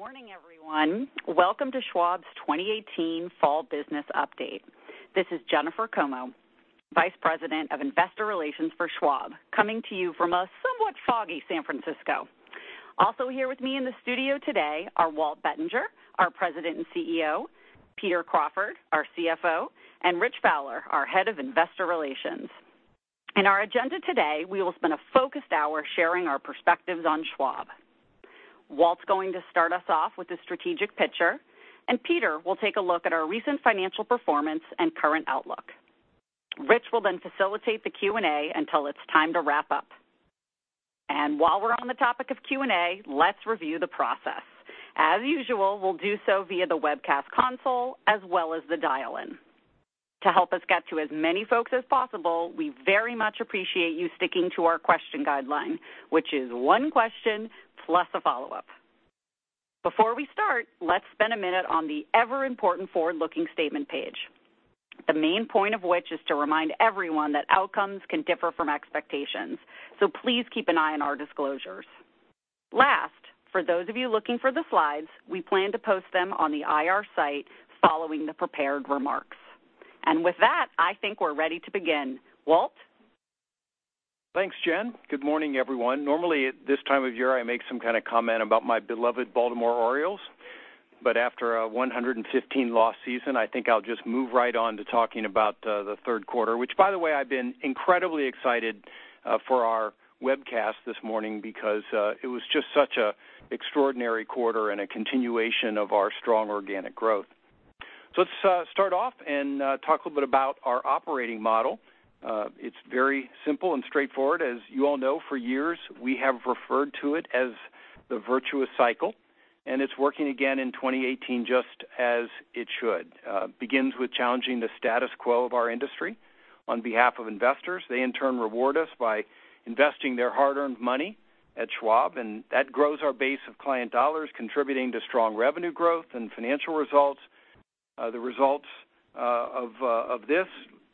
Morning, everyone. Welcome to Schwab's 2018 Fall Business Update. This is Jennifer Como, Vice President of Investor Relations for Schwab, coming to you from a somewhat foggy San Francisco. Also here with me in the studio today are Walt Bettinger, our President and CEO, Peter Crawford, our CFO, and Rich Fowler, our Head of Investor Relations. In our agenda today, we will spend a focused hour sharing our perspectives on Schwab. Walt's going to start us off with a strategic picture, Peter will take a look at our recent financial performance and current outlook. Rich will then facilitate the Q&A until it's time to wrap up. While we're on the topic of Q&A, let's review the process. As usual, we'll do so via the webcast console as well as the dial-in. To help us get to as many folks as possible, we very much appreciate you sticking to our question guideline, which is one question plus a follow-up. Before we start, let's spend a minute on the ever important forward-looking statement page, the main point of which is to remind everyone that outcomes can differ from expectations. Please keep an eye on our disclosures. Last, for those of you looking for the slides, we plan to post them on the IR site following the prepared remarks. With that, I think we're ready to begin. Walt? Thanks, Jen. Good morning, everyone. Normally at this time of year, I make some kind of comment about my beloved Baltimore Orioles. After a 115-loss season, I think I'll just move right on to talking about the third quarter, which by the way, I've been incredibly excited for our webcast this morning because it was just such an extraordinary quarter and a continuation of our strong organic growth. Let's start off and talk a little bit about our operating model. It's very simple and straightforward. As you all know, for years, we have referred to it as the virtuous cycle, and it's working again in 2018 just as it should. Begins with challenging the status quo of our industry on behalf of investors. They in turn reward us by investing their hard-earned money at Schwab, that grows our base of client dollars, contributing to strong revenue growth and financial results. The results of this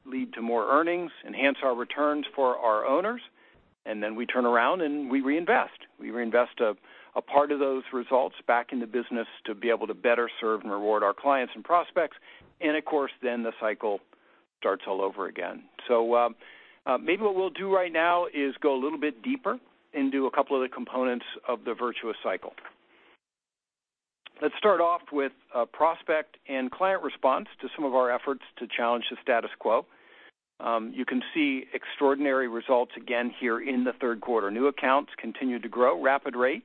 lead to more earnings, enhance our returns for our owners, then we turn around and we reinvest. We reinvest a part of those results back in the business to be able to better serve and reward our clients and prospects, of course, then the cycle starts all over again. Maybe what we'll do right now is go a little bit deeper into a couple of the components of the virtuous cycle. Let's start off with prospect and client response to some of our efforts to challenge the status quo. You can see extraordinary results again here in the third quarter. New accounts continue to grow rapid rate,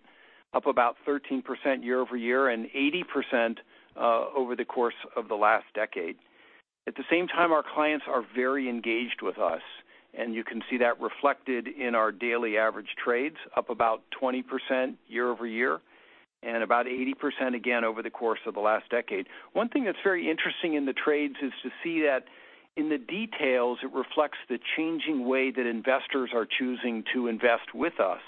up about 13% year-over-year and 80% over the course of the last decade. At the same time, our clients are very engaged with us, and you can see that reflected in our Daily Average Trades, up about 20% year-over-year and about 80% again over the course of the last decade. One thing that's very interesting in the trades is to see that in the details, it reflects the changing way that investors are choosing to invest with us.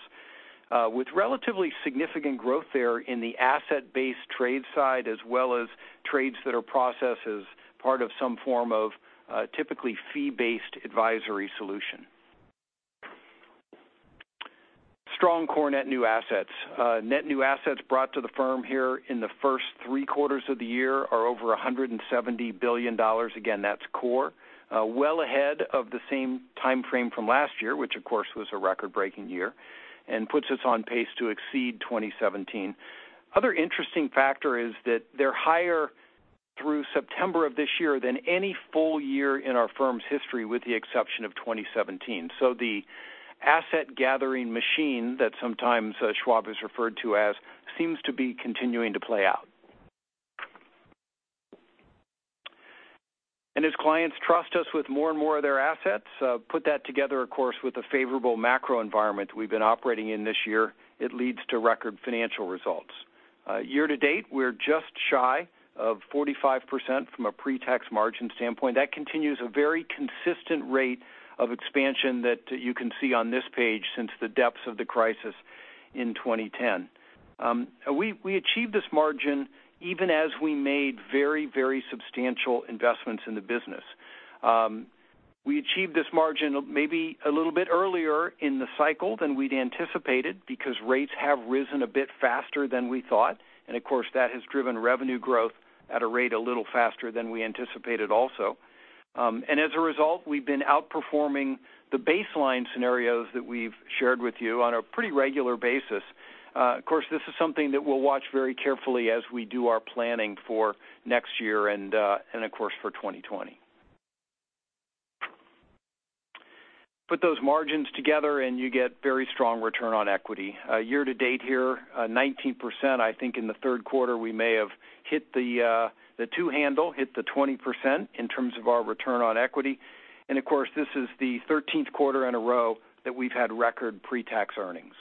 With relatively significant growth there in the asset-based trade side, as well as trades that are processed as part of some form of a typically fee-based advisory solution. Strong core net new assets. Net new assets brought to the firm here in the first three quarters of the year are over $170 billion. Again, that's core. Well ahead of the same time frame from last year, which of course, was a record-breaking year and puts us on pace to exceed 2017. Another interesting factor is that they're higher through September of this year than any full year in our firm's history, with the exception of 2017. The asset gathering machine that sometimes Schwab is referred to as seems to be continuing to play out. As clients trust us with more and more of their assets, put that together, of course, with a favorable macro environment we've been operating in this year, it leads to record financial results. Year-to-date, we're just shy of 45% from a pre-tax margin standpoint. That continues a very consistent rate of expansion that you can see on this page since the depths of the crisis in 2010. We achieved this margin even as we made very substantial investments in the business. We achieved this margin maybe a little bit earlier in the cycle than we'd anticipated because rates have risen a bit faster than we thought, and of course, that has driven revenue growth at a rate a little faster than we anticipated also. As a result, we've been outperforming the baseline scenarios that we've shared with you on a pretty regular basis. Of course, this is something that we'll watch very carefully as we do our planning for next year and, of course, for 2020. Put those margins together and you get very strong return on equity. Year-to-date here, 19%. I think in the third quarter, we may have hit the two handle, hit the 20% in terms of our return on equity. Of course, this is the 13th quarter in a row that we've had record pre-tax earnings.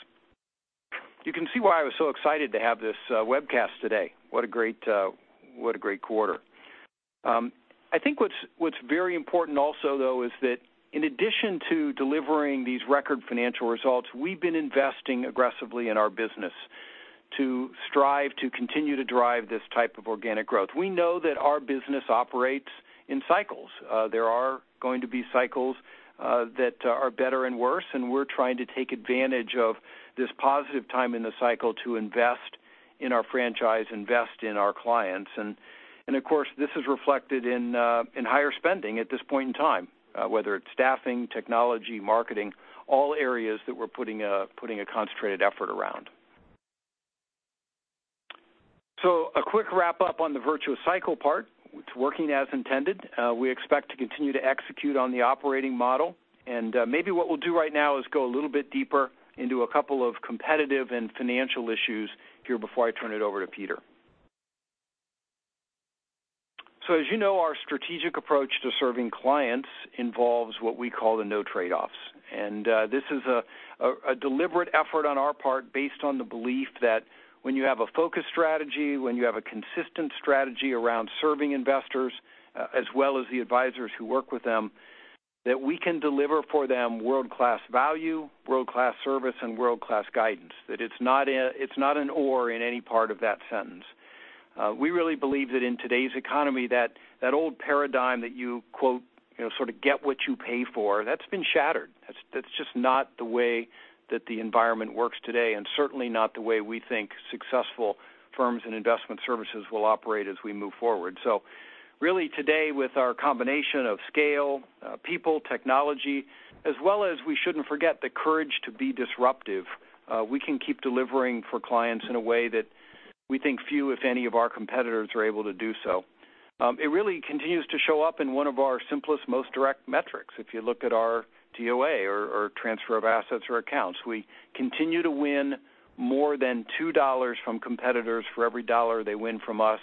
You can see why I was so excited to have this webcast today. What a great quarter. I think what's very important also, though, is that in addition to delivering these record financial results, we've been investing aggressively in our business to strive to continue to drive this type of organic growth. We know that our business operates in cycles. There are going to be cycles that are better and worse, and we're trying to take advantage of this positive time in the cycle to invest in our franchise, invest in our clients. Of course, this is reflected in higher spending at this point in time, whether it's staffing, technology, marketing, all areas that we're putting a concentrated effort around. A quick wrap-up on the virtuous cycle part. It's working as intended. We expect to continue to execute on the operating model. Maybe what we'll do right now is go a little bit deeper into a couple of competitive and financial issues here before I turn it over to Peter. As you know, our strategic approach to serving clients involves what we call the no trade-offs. This is a deliberate effort on our part based on the belief that when you have a focused strategy, when you have a consistent strategy around serving investors, as well as the advisors who work with them, that we can deliver for them world-class value, world-class service and world-class guidance. That it's not an or in any part of that sentence. We really believe that in today's economy, that old paradigm that you quote, sort of get what you pay for, that's been shattered. That's just not the way that the environment works today and certainly not the way we think successful firms and investment services will operate as we move forward. Really today with our combination of scale, people, technology, as well as we shouldn't forget the courage to be disruptive, we can keep delivering for clients in a way that we think few, if any, of our competitors are able to do so. It really continues to show up in one of our simplest, most direct metrics. If you look at our TOA or transfer of assets or accounts, we continue to win more than $2 from competitors for every $1 they win from us.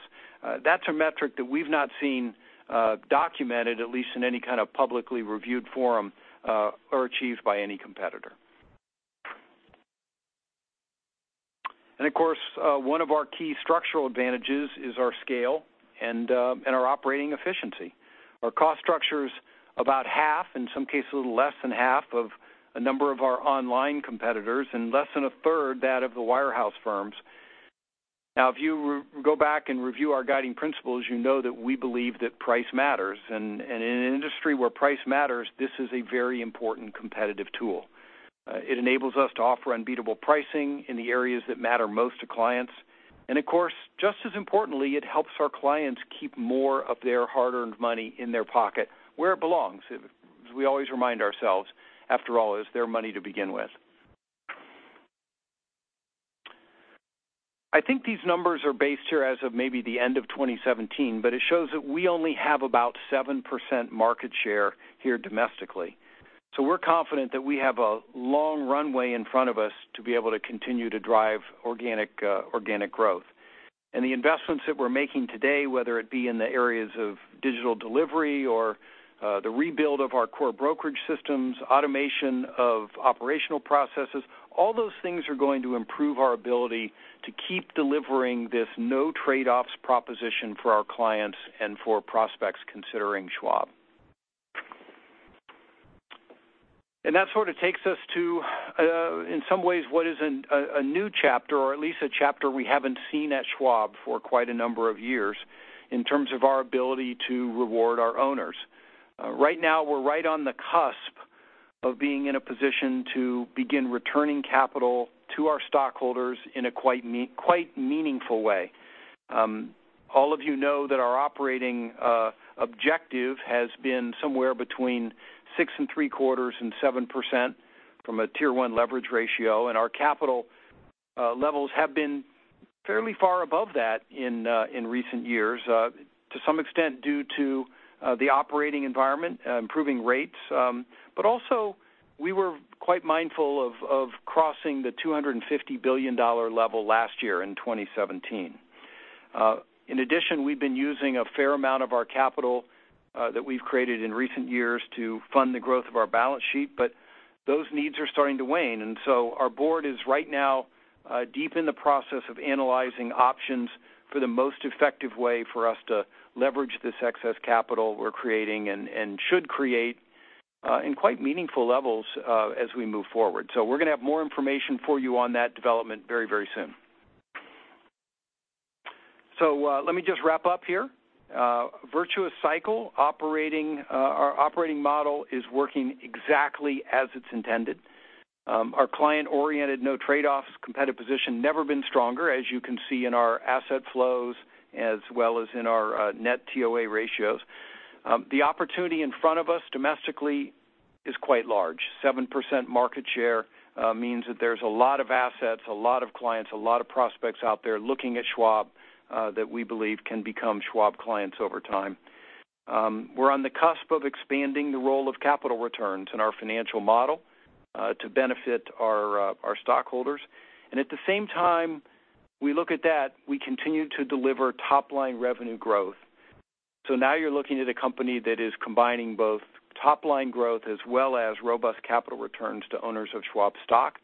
That's a metric that we've not seen, documented at least in any kind of publicly reviewed forum, or achieved by any competitor. Of course, one of our key structural advantages is our scale and our operating efficiency. Our cost structure is about half, in some cases, a little less than half of a number of our online competitors, and less than a third that of the wire house firms. Now, if you go back and review our guiding principles, you know that we believe that price matters. In an industry where price matters, this is a very important competitive tool. It enables us to offer unbeatable pricing in the areas that matter most to clients. Of course, just as importantly, it helps our clients keep more of their hard-earned money in their pocket where it belongs. As we always remind ourselves, after all, it was their money to begin with. I think these numbers are based here as of maybe the end of 2017, but it shows that we only have about 7% market share here domestically. We're confident that we have a long runway in front of us to be able to continue to drive organic growth. The investments that we're making today, whether it be in the areas of digital delivery or the rebuild of our core brokerage systems, automation of operational processes, all those things are going to improve our ability to keep delivering this no trade-offs proposition for our clients and for prospects considering Schwab. That sort of takes us to, in some ways, what is a new chapter or at least a chapter we haven't seen at Schwab for quite a number of years in terms of our ability to reward our owners. Right now, we're right on the cusp of being in a position to begin returning capital to our stockholders in a quite meaningful way. All of you know that our operating objective has been somewhere between 6.75% and 7% from a Tier 1 leverage ratio, and our capital levels have been fairly far above that in recent years, to some extent due to the operating environment, improving rates, but also we were quite mindful of crossing the $250 billion level last year in 2017. In addition, we've been using a fair amount of our capital that we've created in recent years to fund the growth of our balance sheet, but those needs are starting to wane. Our board is right now deep in the process of analyzing options for the most effective way for us to leverage this excess capital we're creating and should create, in quite meaningful levels, as we move forward. We're going to have more information for you on that development very soon. Let me just wrap up here. Virtuous cycle operating. Our operating model is working exactly as it's intended. Our client-oriented, no trade-offs, competitive position never been stronger, as you can see in our asset flows as well as in our net TOA ratios. The opportunity in front of us domestically is quite large. 7% market share means that there's a lot of assets, a lot of clients, a lot of prospects out there looking at Schwab, that we believe can become Schwab clients over time. We're on the cusp of expanding the role of capital returns in our financial model, to benefit our stockholders. At the same time we look at that, we continue to deliver top-line revenue growth. Now you're looking at a company that is combining both top-line growth as well as robust capital returns to owners of Schwab stock.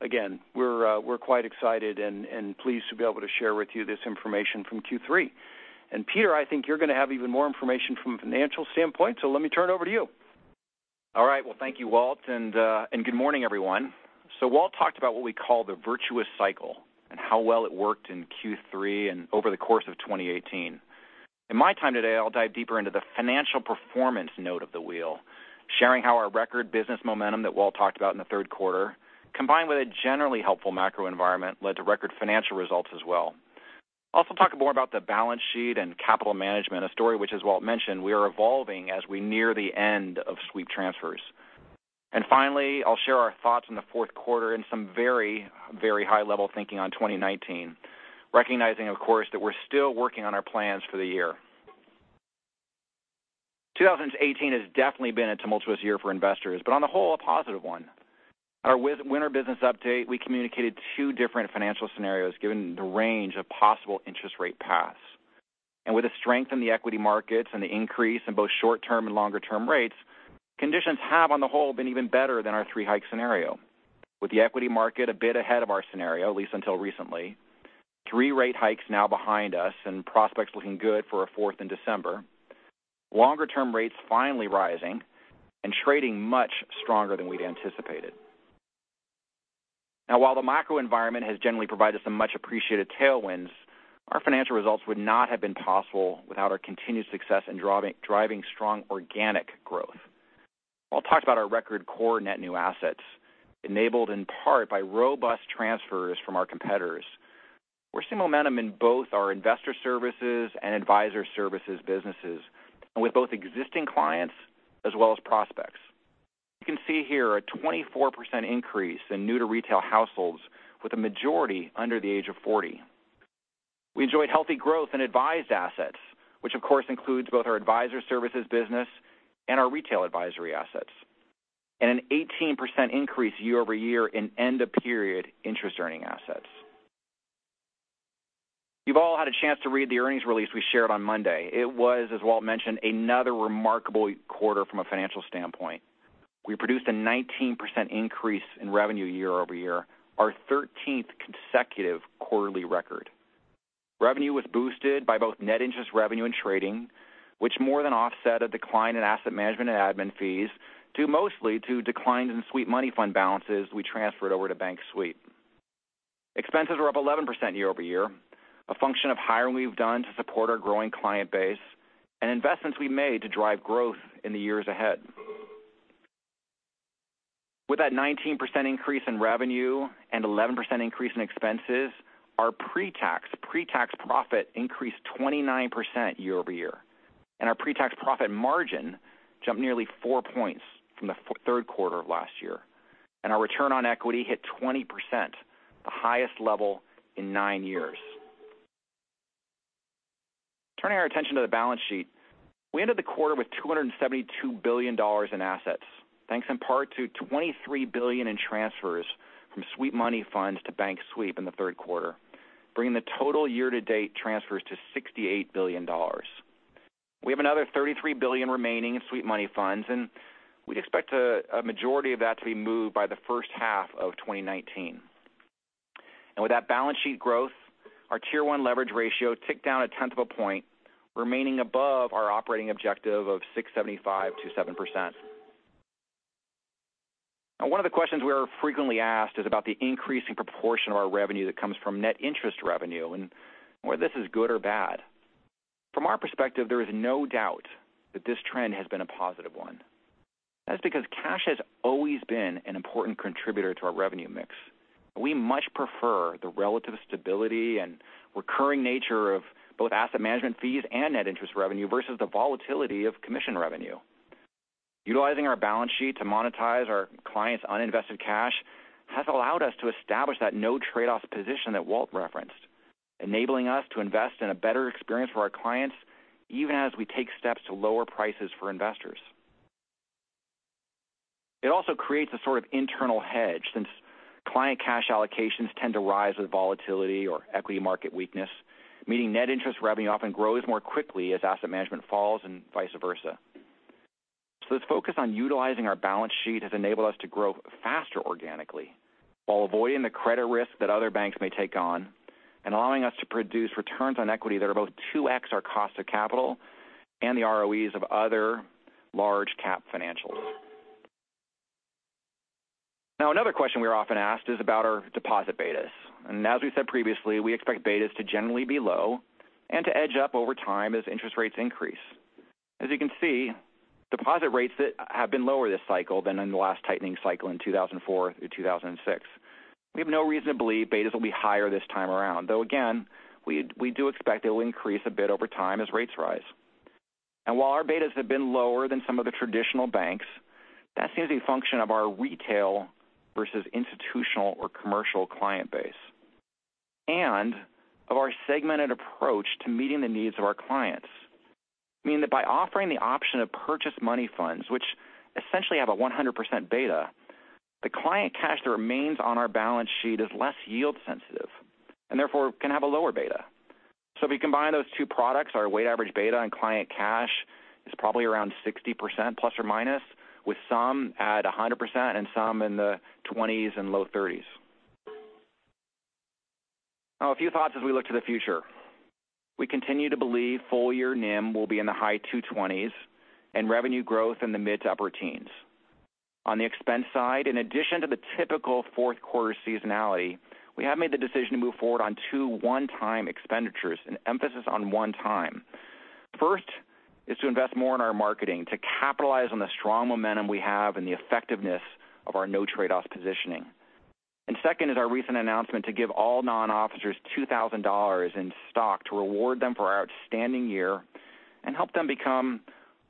Again, we're quite excited and pleased to be able to share with you this information from Q3. Peter, I think you're going to have even more information from a financial standpoint. Let me turn it over to you. All right. Well, thank you, Walt, and good morning, everyone. Walt talked about what we call the virtuous cycle and how well it worked in Q3 and over the course of 2018. In my time today, I'll dive deeper into the financial performance note of the wheel, sharing how our record business momentum that Walt talked about in the third quarter, combined with a generally helpful macro environment, led to record financial results as well. I'll also talk more about the balance sheet and capital management, a story which, as Walt mentioned, we are evolving as we near the end of sweep transfers. Finally, I'll share our thoughts on the fourth quarter and some very high-level thinking on 2019, recognizing, of course, that we're still working on our plans for the year. 2018 has definitely been a tumultuous year for investors, but on the whole, a positive one. At our winter business update, we communicated two different financial scenarios given the range of possible interest rate paths. With a strength in the equity markets and the increase in both short-term and longer-term rates, conditions have, on the whole, been even better than our three-hike scenario. With the equity market a bit ahead of our scenario, at least until recently, three rate hikes now behind us and prospects looking good for a fourth in December, longer-term rates finally rising and trading much stronger than we'd anticipated. While the macroenvironment has generally provided some much-appreciated tailwinds, our financial results would not have been possible without our continued success in driving strong organic growth. I'll talk about our record core net new assets, enabled in part by robust transfers from our competitors. We're seeing momentum in both our Investor Services and Advisor Services businesses, with both existing clients as well as prospects. You can see here a 24% increase in new-to-retail households, with a majority under the age of 40. We enjoyed healthy growth in advised assets, which of course includes both our Advisor Services business and our retail advisory assets, and an 18% increase year-over-year in end-of-period interest-earning assets. You've all had a chance to read the earnings release we shared on Monday. It was, as Walt mentioned, another remarkable quarter from a financial standpoint. We produced a 19% increase in revenue year-over-year, our 13th consecutive quarterly record. Revenue was boosted by both net interest revenue and trading, which more than offset a decline in asset management and admin fees, due mostly to declines in sweep money fund balances we transferred over to bank sweep. Expenses were up 11% year-over-year, a function of hiring we've done to support our growing client base and investments we made to drive growth in the years ahead. With that 19% increase in revenue and 11% increase in expenses, our pre-tax profit increased 29% year-over-year, and our pre-tax profit margin jumped nearly four points from the third quarter of last year. Our return on equity hit 20%, the highest level in nine years. Turning our attention to the balance sheet, we ended the quarter with $272 billion in assets, thanks in part to $23 billion in transfers from sweep money funds to bank sweep in the third quarter, bringing the total year-to-date transfers to $68 billion. We have another $33 billion remaining in sweep money funds, and we'd expect a majority of that to be moved by the first half of 2019. With that balance sheet growth, our Tier 1 leverage ratio ticked down a tenth of a point, remaining above our operating objective of 675 to 7%. One of the questions we are frequently asked is about the increasing proportion of our revenue that comes from net interest revenue and whether this is good or bad. From our perspective, there is no doubt that this trend has been a positive one. That's because cash has always been an important contributor to our revenue mix. We much prefer the relative stability and recurring nature of both asset management fees and net interest revenue versus the volatility of commission revenue. Utilizing our balance sheet to monetize our clients' uninvested cash has allowed us to establish that no trade-offs position that Walt referenced, enabling us to invest in a better experience for our clients, even as we take steps to lower prices for investors. It also creates a sort of internal hedge, since client cash allocations tend to rise with volatility or equity market weakness, meaning net interest revenue often grows more quickly as asset management falls and vice versa. This focus on utilizing our balance sheet has enabled us to grow faster organically while avoiding the credit risk that other banks may take on and allowing us to produce returns on equity that are both 2x our cost of capital and the ROEs of other large cap financials. Another question we are often asked is about our deposit betas. As we said previously, we expect betas to generally be low and to edge up over time as interest rates increase. As you can see, deposit rates have been lower this cycle than in the last tightening cycle in 2004 through 2006. We have no reason to believe betas will be higher this time around, though again, we do expect it will increase a bit over time as rates rise. While our betas have been lower than some of the traditional banks, that seems a function of our retail versus institutional or commercial client base and of our segmented approach to meeting the needs of our clients. Meaning that by offering the option of purchased money funds, which essentially have a 100% beta, the client cash that remains on our balance sheet is less yield sensitive and therefore can have a lower beta. If you combine those two products, our weighted average beta and client cash is probably around 60% ±, with some at 100% and some in the 20s and low 30s. A few thoughts as we look to the future. We continue to believe full-year NIM will be in the high 220s and revenue growth in the mid to upper teens. On the expense side, in addition to the typical fourth-quarter seasonality, we have made the decision to move forward on two one-time expenditures, an emphasis on one time. First is to invest more in our marketing to capitalize on the strong momentum we have and the effectiveness of our no trade-offs positioning. Second is our recent announcement to give all non-officers $2,000 in stock to reward them for our outstanding year and help them become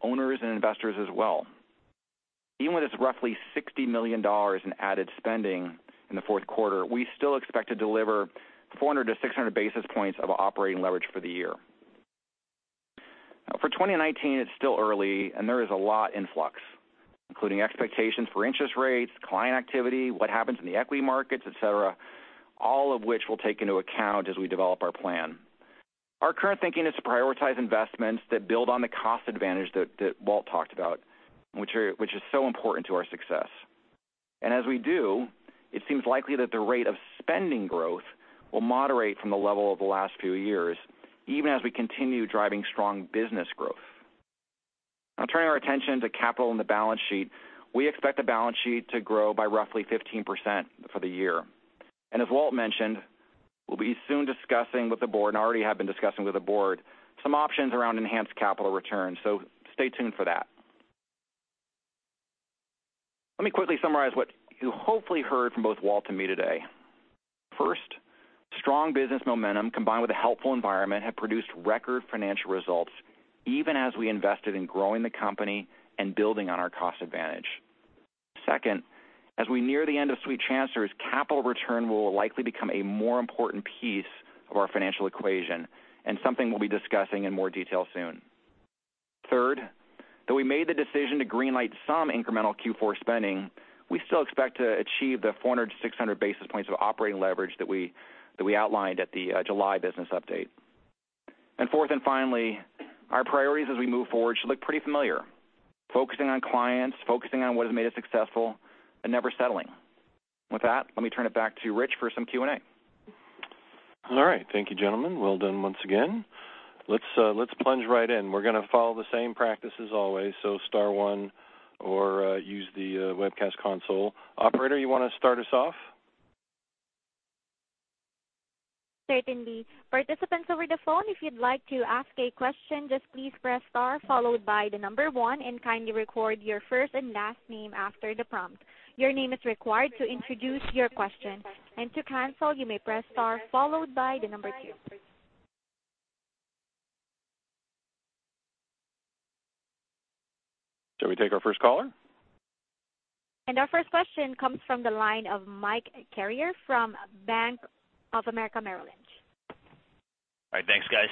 owners and investors as well. Even with this roughly $60 million in added spending in the fourth quarter, we still expect to deliver 400-600 basis points of operating leverage for the year. For 2019, it's still early and there is a lot in flux, including expectations for interest rates, client activity, what happens in the equity markets, et cetera, all of which we'll take into account as we develop our plan. Our current thinking is to prioritize investments that build on the cost advantage that Walt talked about, which is so important to our success. As we do, it seems likely that the rate of spending growth will moderate from the level of the last few years, even as we continue driving strong business growth. Turning our attention to capital in the balance sheet, we expect the balance sheet to grow by roughly 15% for the year. As Walt mentioned, we'll be soon discussing with the board, and already have been discussing with the board, some options around enhanced capital returns. Stay tuned for that. Let me quickly summarize what you hopefully heard from both Walt and me today. First, strong business momentum combined with a helpful environment have produced record financial results even as we invested in growing the company and building on our cost advantage. Second, as we near the end of sweep transfers, capital return will likely become a more important piece of our financial equation and something we'll be discussing in more detail soon. Third, though we made the decision to green-light some incremental Q4 spending, we still expect to achieve the 400 to 600 basis points of operating leverage that we outlined at the July business update. Fourth and finally, our priorities as we move forward should look pretty familiar, focusing on clients, focusing on what has made us successful, and never settling. With that, let me turn it back to Rich for some Q&A. All right. Thank you, gentlemen. Well done once again. Let's plunge right in. We're going to follow the same practice as always. Star one or use the webcast console. Operator, you want to start us off? Certainly. Participants over the phone, if you'd like to ask a question, just please press star followed by the number 1 and kindly record your first and last name after the prompt. Your name is required to introduce your question. To cancel, you may press star followed by the number 2. Shall we take our first caller? Our first question comes from the line of Mike Carrier from Bank of America, Merrill Lynch. All right, thanks, guys.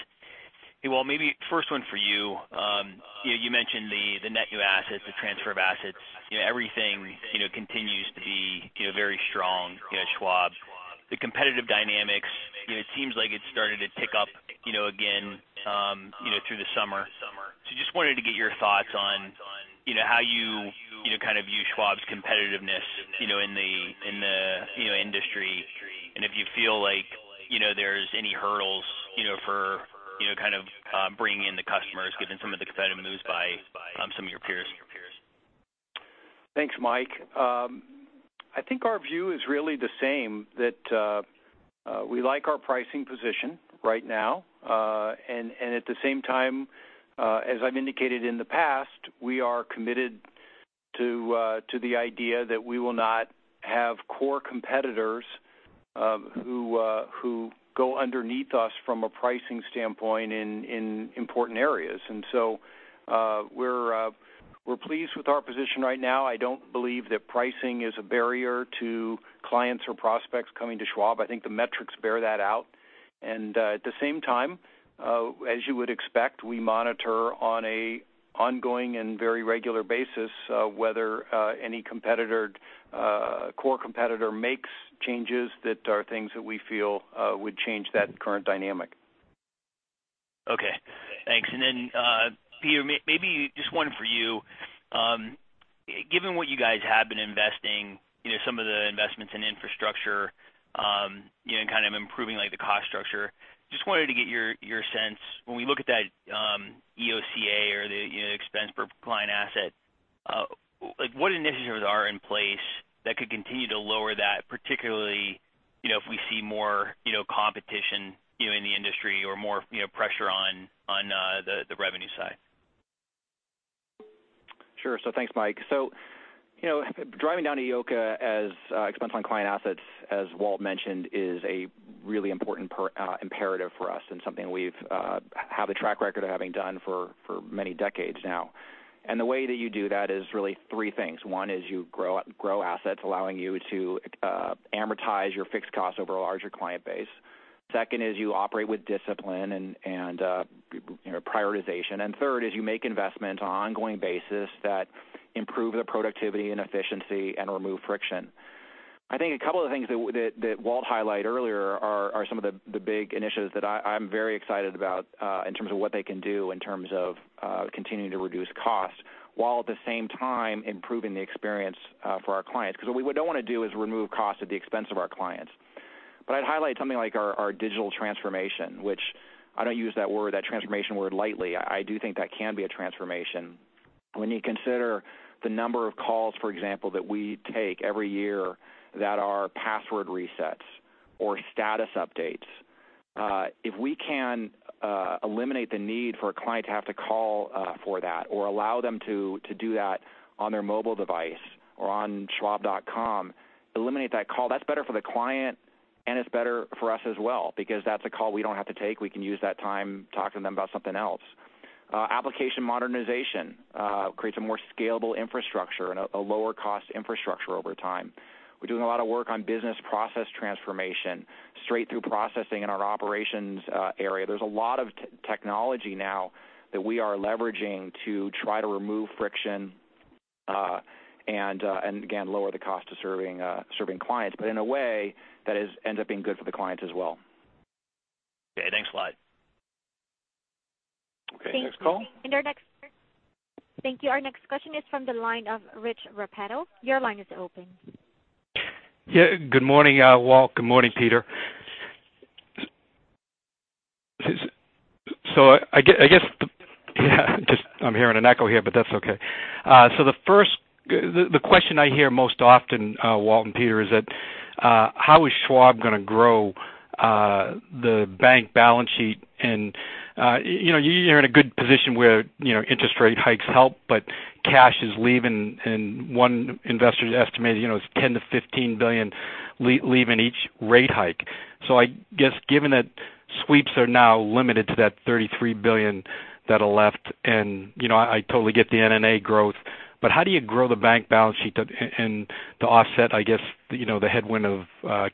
Hey, Walt, maybe first one for you. You mentioned the net new assets, the transfer of assets. Everything continues to be very strong at Schwab. The competitive dynamics, it seems like it's starting to pick up again through the summer. Just wanted to get your thoughts on how you view Schwab's competitiveness in the industry and if you feel like there's any hurdles for bringing in the customers given some of the competitive moves by some of your peers. Thanks, Mike. I think our view is really the same, that we like our pricing position right now. At the same time, as I've indicated in the past, we are committed to the idea that we will not have core competitors who go underneath us from a pricing standpoint in important areas. We're pleased with our position right now. I don't believe that pricing is a barrier to clients or prospects coming to Schwab. I think the metrics bear that out. At the same time, as you would expect, we monitor on an ongoing and very regular basis whether any core competitor makes changes that are things that we feel would change that current dynamic. Okay, thanks. Peter, maybe just one for you. Given what you guys have been investing, some of the investments in infrastructure, improving the cost structure, just wanted to get your sense when we look at that EOCA or the expense per client asset, what initiatives are in place that could continue to lower that, particularly if we see more competition in the industry or more pressure on the revenue side? Sure. Thanks, Mike. Driving down EOCA as expense on client assets, as Walt mentioned, is a really important imperative for us and something we have a track record of having done for many decades now. The way that you do that is really three things. One is you grow assets, allowing you to amortize your fixed costs over a larger client base. Second is you operate with discipline and prioritization. Third you make investments on an ongoing basis that improve the productivity and efficiency and remove friction. I think a couple of things that Walt highlighted earlier are some of the big initiatives that I'm very excited about in terms of what they can do in terms of continuing to reduce costs while at the same time improving the experience for our clients because what we don't want to do is remove costs at the expense of our clients. I'd highlight something like our digital transformation, which I don't use that word, that transformation word lightly. I do think that can be a transformation when you consider the number of calls, for example, that we take every year that are password resets or status updates. If we can eliminate the need for a client to have to call for that or allow them to do that on their mobile device or on schwab.com, eliminate that call, that's better for the client and it's better for us as well because that's a call we don't have to take. We can use that time talking to them about something else. Application modernization creates a more scalable infrastructure and a lower cost infrastructure over time. We're doing a lot of work on business process transformation, Straight-Through Processing in our operations area. There's a lot of technology now that we are leveraging to try to remove friction, and again, lower the cost of serving clients, but in a way that ends up being good for the clients as well. Okay, thanks a lot. Okay, next call. Thank you. Our next question is from the line of Rich Repetto. Your line is open. Yeah, good morning, Walt. Good morning, Peter. I guess I'm hearing an echo here, but that's okay. The question I hear most often, Walt and Peter, is that how is Schwab going to grow the bank balance sheet and you're in a good position where interest rate hikes help, but cash is leaving and one investor estimated it's $10 billion-$15 billion leaving each rate hike. I guess given that sweeps are now limited to that $33 billion that are left and, I totally get the NNA growth, but how do you grow the bank balance sheet and to offset, I guess, the headwind of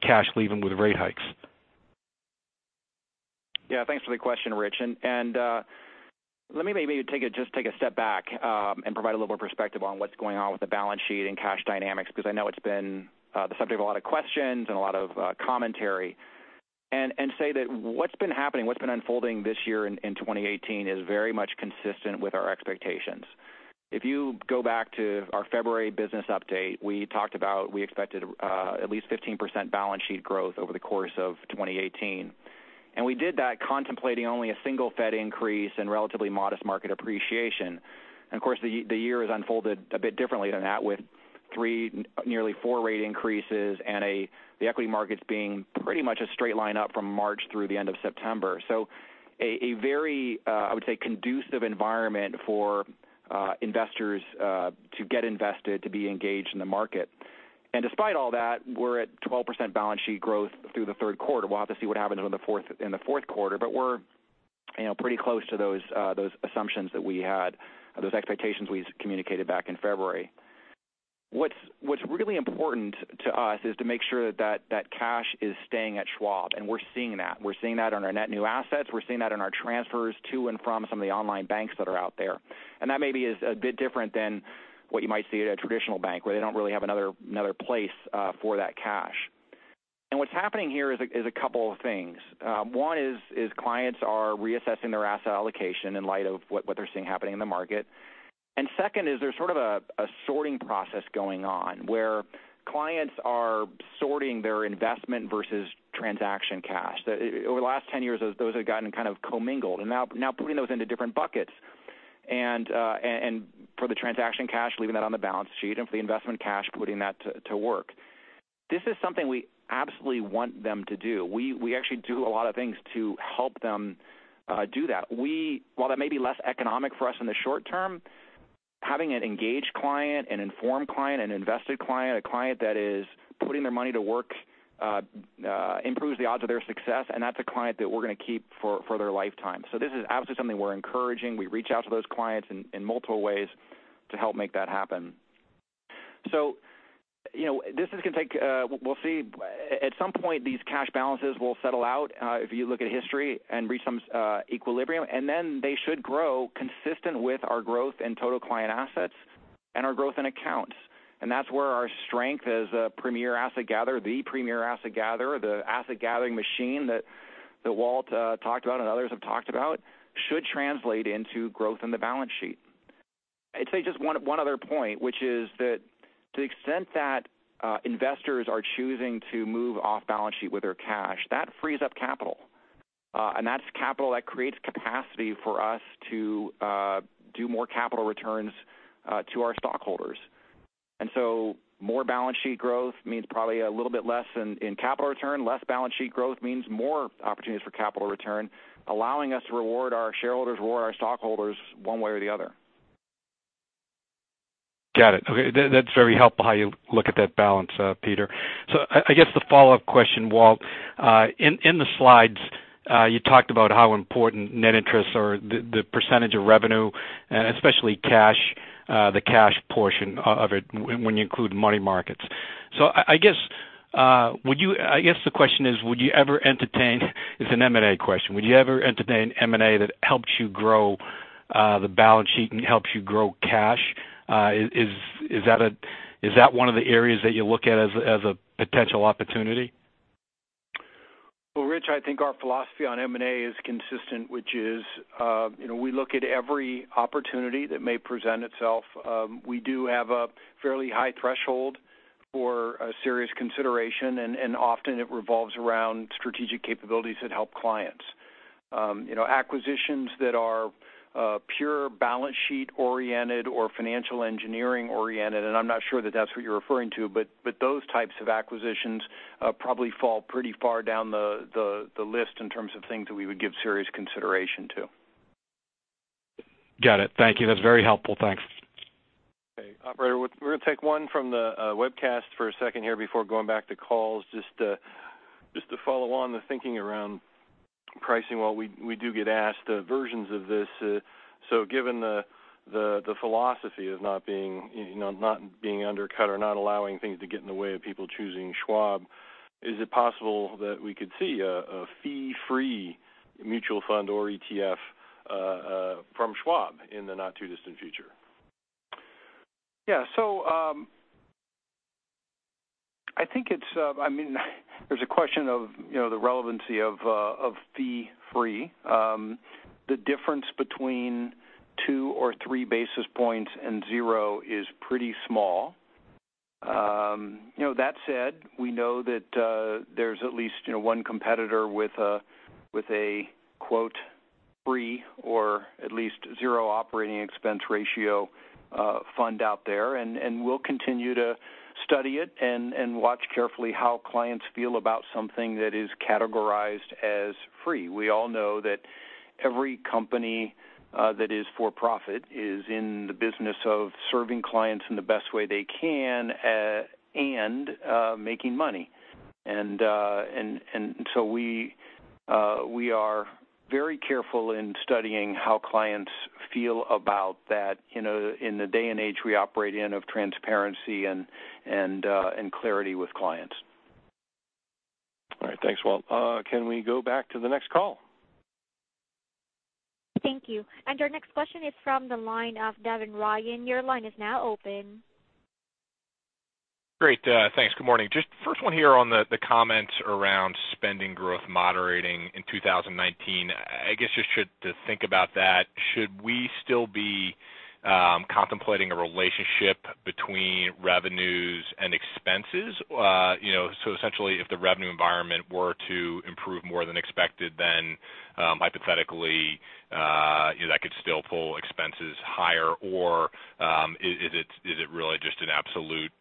cash leaving with rate hikes? Thanks for the question, Rich. Let me maybe just take a step back and provide a little more perspective on what's going on with the balance sheet and cash dynamics because I know it's been the subject of a lot of questions and a lot of commentary and say that what's been happening, what's been unfolding this year in 2018 is very much consistent with our expectations. If you go back to our February business update, we talked about we expected at least 15% balance sheet growth over the course of 2018. We did that contemplating only a single Fed increase and relatively modest market appreciation. Of course, the year has unfolded a bit differently than that with three, nearly four rate increases and the equity markets being pretty much a straight line up from March through the end of September. A very, I would say, conducive environment for investors to get invested, to be engaged in the market. Despite all that, we're at 12% balance sheet growth through the third quarter. We'll have to see what happens in the fourth quarter, but we're pretty close to those assumptions that we had or those expectations we communicated back in February. What's really important to us is to make sure that cash is staying at Schwab and we're seeing that. We're seeing that on our net new assets. We're seeing that in our transfers to and from some of the online banks that are out there. That maybe is a bit different than what you might see at a traditional bank where they don't really have another place for that cash. What's happening here is a couple of things. One is, clients are reassessing their asset allocation in light of what they're seeing happening in the market. Second is there's sort of a sorting process going on where clients are sorting their investment versus transaction cash. Over the last 10 years, those have gotten kind of commingled and now putting those into different buckets and for the transaction cash, leaving that on the balance sheet and for the investment cash, putting that to work. This is something we absolutely want them to do. We actually do a lot of things to help them do that. While that may be less economic for us in the short term, having an engaged client, an informed client, an invested client, a client that is putting their money to work, improves the odds of their success and that's a client that we're going to keep for their lifetime. This is absolutely something we're encouraging. We reach out to those clients in multiple ways to help make that happen. This is going to take, we'll see at some point, these cash balances will settle out, if you look at history and reach some equilibrium and then they should grow consistent with our growth in total client assets and our growth in accounts. That's where our strength as a premier asset gatherer, the premier asset gatherer, the asset gathering machine that Walt talked about and others have talked about should translate into growth in the balance sheet. I'd say just one other point, which is that to the extent that investors are choosing to move off-balance sheet with their cash, that frees up capital. That's capital that creates capacity for us to do more capital returns to our stockholders. More balance sheet growth means probably a little bit less in capital return. Less balance sheet growth means more opportunities for capital return, allowing us to reward our shareholders, reward our stockholders one way or the other. Got it. Okay. That's very helpful how you look at that balance, Peter. I guess the follow-up question, Walt, in the slides, you talked about how important net interest or the percentage of revenue and especially the cash portion of it when you include money markets. I guess the question is, would you ever entertain, it's an M&A question, would you ever entertain M&A that helps you grow the balance sheet and helps you grow cash? Is that one of the areas that you look at as a potential opportunity? Well, Rich, I think our philosophy on M&A is consistent, which is we look at every opportunity that may present itself. We do have a fairly high threshold for a serious consideration, and often it revolves around strategic capabilities that help clients. Acquisitions that are pure balance sheet-oriented or financial engineering-oriented, and I'm not sure that that's what you're referring to, but those types of acquisitions probably fall pretty far down the list in terms of things that we would give serious consideration to. Got it. Thank you. That's very helpful. Thanks. Okay. Operator, we're going to take one from the webcast for a second here before going back to calls. Just to follow on the thinking around pricing, while we do get asked versions of this, given the philosophy of not being undercut or not allowing things to get in the way of people choosing Schwab, is it possible that we could see a fee-free mutual fund or ETF from Schwab in the not-too-distant future? Yeah. There's a question of the relevancy of fee-free. The difference between two or three basis points and zero is pretty small. That said, we know that there's at least one competitor with a, quote, "free" or at least zero operating expense ratio fund out there, we'll continue to study it and watch carefully how clients feel about something that is categorized as free. We all know that every company that is for profit is in the business of serving clients in the best way they can and making money. We are very careful in studying how clients feel about that in the day and age we operate in of transparency and clarity with clients. All right. Thanks, Walt. Can we go back to the next call? Thank you. Our next question is from the line of Devin Ryan. Your line is now open. Great. Thanks. Good morning. Just first one here on the comments around spending growth moderating in 2019. I guess, just to think about that, should we still be contemplating a relationship between revenues and expenses? Essentially, if the revenue environment were to improve more than expected, hypothetically that could still pull expenses higher? Is it really just an absolute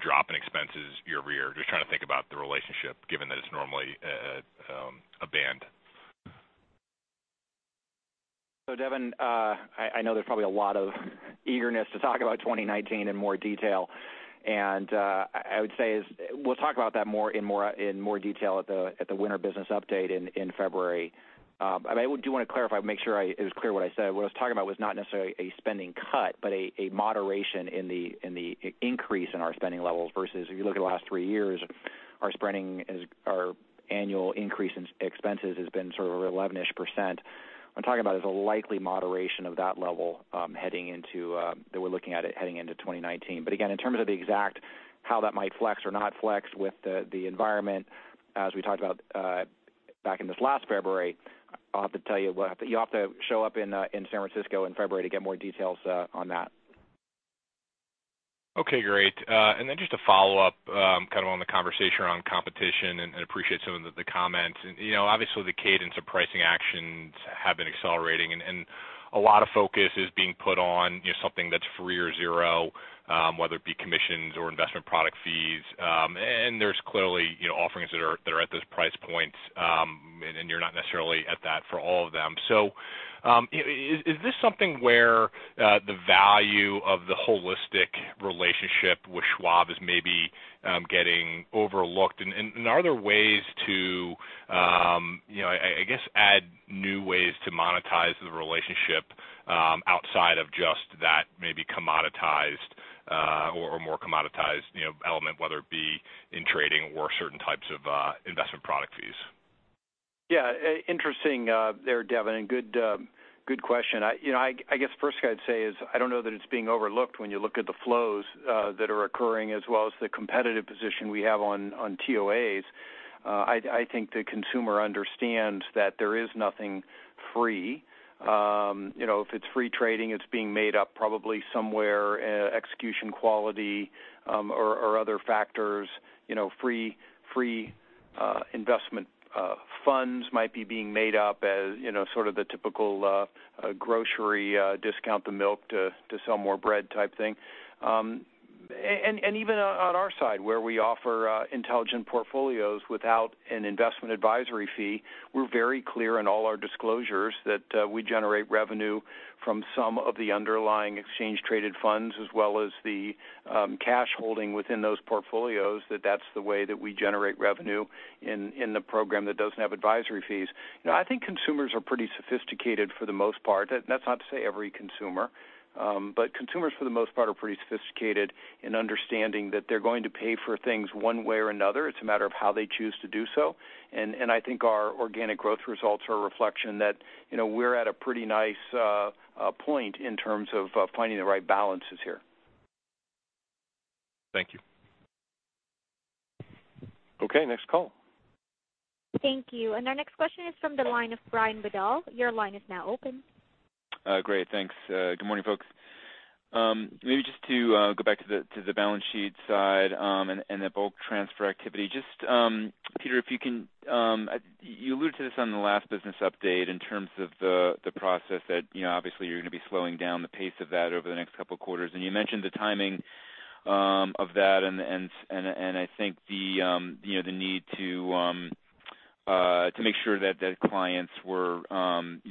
drop in expenses year-over-year? Just trying to think about the relationship, given that it's normally a band. Devin, I know there's probably a lot of eagerness to talk about 2019 in more detail, I would say is we'll talk about that in more detail at the winter business update in February. I do want to clarify, make sure it was clear what I said. What I was talking about was not necessarily a spending cut, but a moderation in the increase in our spending levels versus if you look at the last three years, our annual increase in expenses has been sort of 11-ish%. What I'm talking about is a likely moderation of that level that we're looking at heading into 2019. Again, in terms of the exact how that might flex or not flex with the environment, as we talked about back in this last February, I'll have to tell you'll have to show up in San Francisco in February to get more details on that. Okay, great. Just a follow-up kind of on the conversation around competition and appreciate some of the comments. Obviously, the cadence of pricing actions have been accelerating, a lot of focus is being put on something that's free or zero, whether it be commissions or investment product fees. There's clearly offerings that are at those price points, and you're not necessarily at that for all of them. Is this something where the value of the holistic relationship with Schwab is maybe getting overlooked? Are there ways to, I guess, add new ways to monetize the relationship outside of just that maybe commoditized or more commoditized element, whether it be in trading or certain types of investment product fees? Yeah. Interesting there, Devin. Good question. I guess first I'd say is I don't know that it's being overlooked when you look at the flows that are occurring as well as the competitive position we have on TOAs. I think the consumer understands that there is nothing free. If it's free trading, it's being made up probably somewhere, execution quality or other factors. Free investment funds might be being made up as sort of the typical grocery discount the milk to sell more bread type thing. Even on our side, where we offer Intelligent Portfolios without an investment advisory fee, we're very clear in all our disclosures that we generate revenue from some of the underlying exchange traded funds as well as the cash holding within those portfolios, that that's the way that we generate revenue in the program that doesn't have advisory fees. I think consumers are pretty sophisticated for the most part. That's not to say every consumer. Consumers, for the most part, are pretty sophisticated in understanding that they're going to pay for things one way or another. It's a matter of how they choose to do so. I think our organic growth results are a reflection that we're at a pretty nice point in terms of finding the right balances here. Thank you. Okay, next call. Thank you. Our next question is from the line of Brian Bedell. Your line is now open. Great. Thanks. Good morning, folks. Maybe just to go back to the balance sheet side and the bulk transfer activity. Peter, you alluded to this on the last business update in terms of the process that obviously you're going to be slowing down the pace of that over the next 2 quarters. You mentioned the timing of that and I think the need to make sure that clients were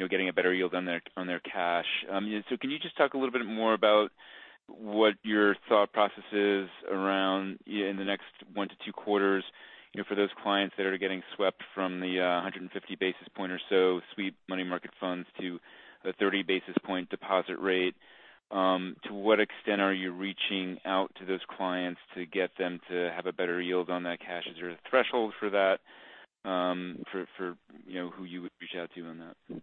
getting a better yield on their cash. Can you just talk a little bit more about what your thought process is around in the next 1 to 2 quarters for those clients that are getting swept from the 150 basis points or so sweep money funds to the 30 basis points deposit rate. To what extent are you reaching out to those clients to get them to have a better yield on that cash? Is there a threshold for that for who you would reach out to on that?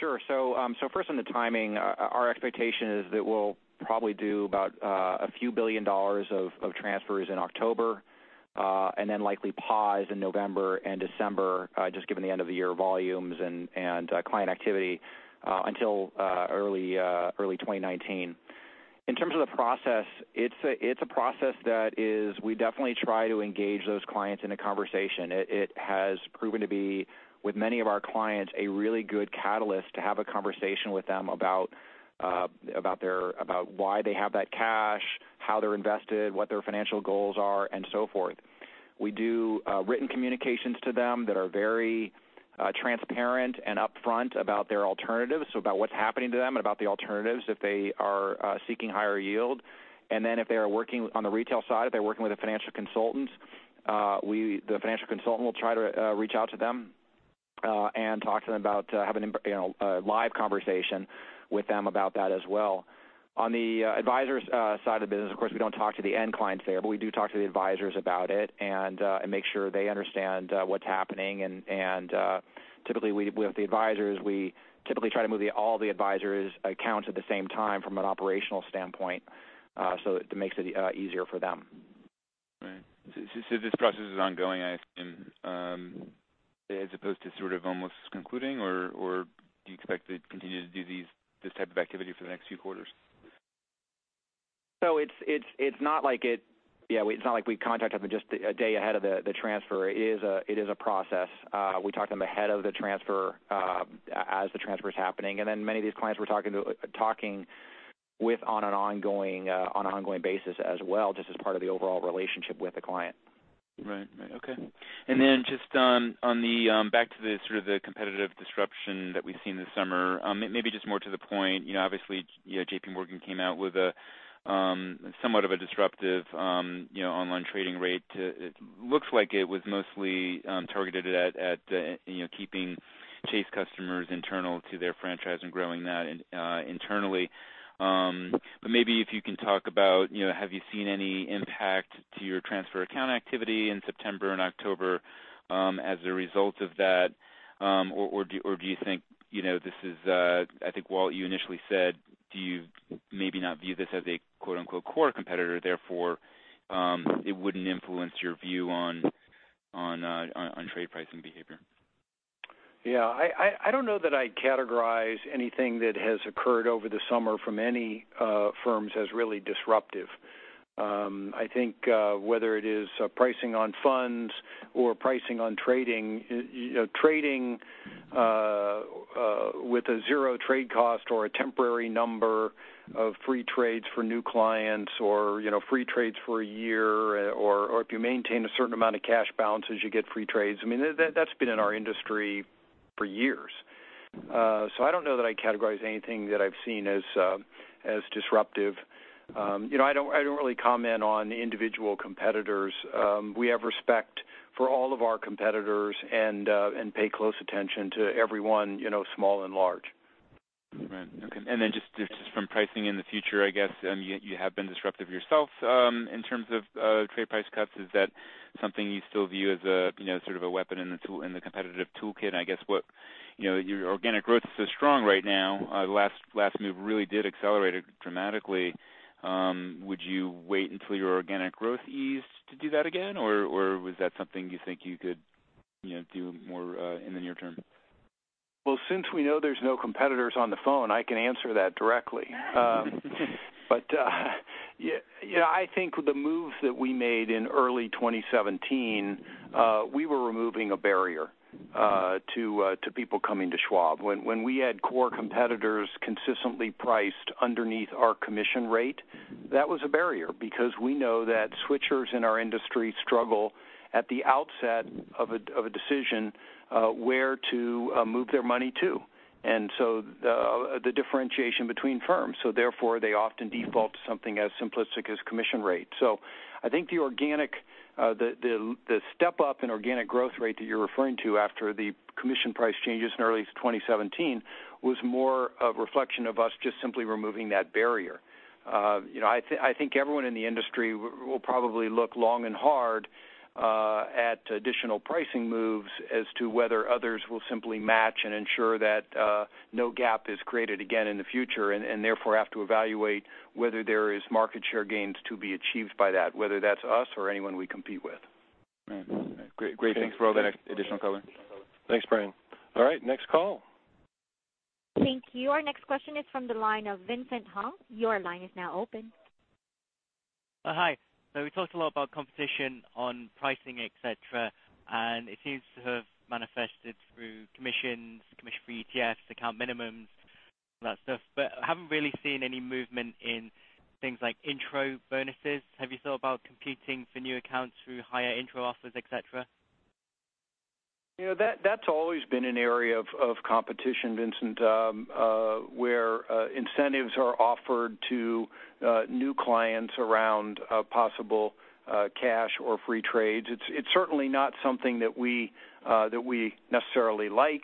Sure. First on the timing, our expectation is that we'll probably do about a few billion dollars of transfers in October, and then likely pause in November and December, just given the end-of-the-year volumes and client activity, until early 2019. In terms of the process, it's a process that we definitely try to engage those clients in a conversation. It has proven to be, with many of our clients, a really good catalyst to have a conversation with them about why they have that cash, how they're invested, what their financial goals are, and so forth. We do written communications to them that are very transparent and upfront about their alternatives, about what's happening to them and about the alternatives if they are seeking higher yield. If they are working on the retail side, if they're working with a financial consultant, the financial consultant will try to reach out to them and have a live conversation with them about that as well. On the advisors side of the business, of course, we don't talk to the end clients there, but we do talk to the advisors about it and make sure they understand what's happening. With the advisors, we typically try to move all the advisors' accounts at the same time from an operational standpoint, so it makes it easier for them. Right. This process is ongoing, I assume, as opposed to sort of almost concluding, or do you expect to continue to do this type of activity for the next few quarters? It's not like we contact them just a day ahead of the transfer. It is a process. We talk to them ahead of the transfer, as the transfer's happening, and then many of these clients we're talking with on an ongoing basis as well, just as part of the overall relationship with the client. Right. Okay. Just back to the sort of the competitive disruption that we've seen this summer. Maybe just more to the point, obviously, JP Morgan came out with somewhat of a disruptive online trading rate. It looks like it was mostly targeted at keeping Chase customers internal to their franchise and growing that internally. But maybe if you can talk about, have you seen any impact to your transfer account activity in September and October as a result of that? Or do you think this is, I think, Walt, you initially said, do you maybe not view this as a quote unquote "core competitor," therefore it wouldn't influence your view on trade pricing behavior? Yeah. I don't know that I'd categorize anything that has occurred over the summer from any firms as really disruptive. I think whether it is pricing on funds or pricing on trading with a zero trade cost or a temporary number of free trades for new clients or free trades for a year, or if you maintain a certain amount of cash balances, you get free trades. That's been in our industry for years. I don't know that I'd categorize anything that I've seen as disruptive. I don't really comment on individual competitors. We have respect for all of our competitors and pay close attention to everyone, small and large. Right. Okay. Just from pricing in the future, I guess, you have been disruptive yourself in terms of trade price cuts. Is that something you still view as sort of a weapon in the competitive toolkit? I guess your organic growth is so strong right now. The last move really did accelerate it dramatically. Would you wait until your organic growth eased to do that again? Or was that something you think you could do more in the near term? Well, since we know there's no competitors on the phone, I can answer that directly. I think the moves that we made in early 2017, we were removing a barrier to people coming to Schwab. When we had core competitors consistently priced underneath our commission rate, that was a barrier because we know that switchers in our industry struggle at the outset of a decision where to move their money to. The differentiation between firms. Therefore, they often default to something as simplistic as commission rate. I think the step-up in organic growth rate that you're referring to after the commission price changes in early 2017 was more a reflection of us just simply removing that barrier. I think everyone in the industry will probably look long and hard at additional pricing moves as to whether others will simply match and ensure that no gap is created again in the future, therefore have to evaluate whether there is market share gains to be achieved by that, whether that's us or anyone we compete with. All right. Great. Thanks for all that additional color. Thanks, Brian. All right, next call. Thank you. Our next question is from the line of Vincent Hong. Your line is now open. Hi. We talked a lot about competition on pricing, et cetera, and it seems to have manifested through commissions, commission-free ETFs, account minimums, all that stuff. I haven't really seen any movement in things like intro bonuses. Have you thought about competing for new accounts through higher intro offers, et cetera? That's always been an area of competition, Vincent, where incentives are offered to new clients around possible cash or free trades. It's certainly not something that we necessarily like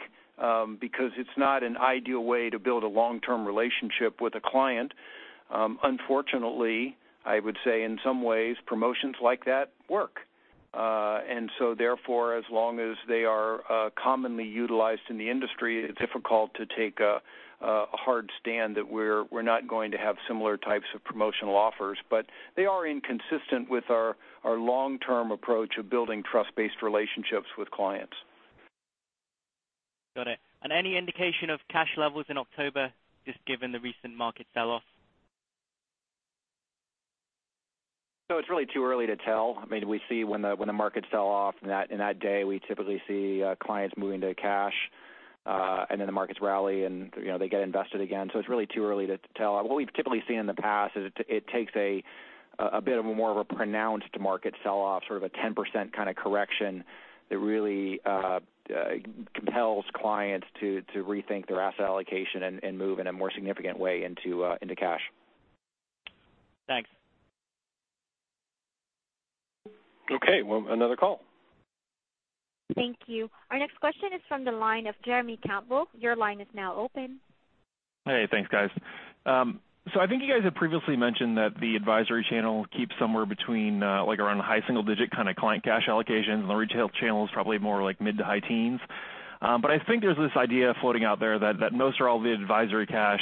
because it's not an ideal way to build a long-term relationship with a client. Unfortunately, I would say in some ways, promotions like that work. Therefore, as long as they are commonly utilized in the industry, it's difficult to take a hard stand that we're not going to have similar types of promotional offers. They are inconsistent with our long-term approach of building trust-based relationships with clients. Got it. Any indication of cash levels in October, just given the recent market sell-off? It's really too early to tell. We see when the markets sell off, in that day, we typically see clients moving to cash, and then the markets rally, and they get invested again. It's really too early to tell. What we've typically seen in the past is it takes a bit of more of a pronounced market sell-off, sort of a 10% kind of correction that really compels clients to rethink their asset allocation and move in a more significant way into cash. Thanks. Okay. Well, another call. Thank you. Our next question is from the line of Jeremy Campbell. Your line is now open. Hey, thanks, guys. I think you guys have previously mentioned that the advisory channel keeps somewhere between around the high single-digit kind of client cash allocations. The retail channel is probably more like mid to high teens. I think there's this idea floating out there that most or all the advisory cash